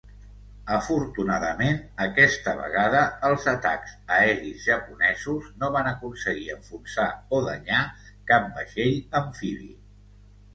Afortunadament, aquesta vegada els atacs aeris japonesos no van aconseguir enfonsar o danyar cap vaixell amfibi.